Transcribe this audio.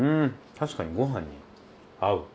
確かにご飯に合う！